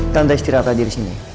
tante setirah tadi disini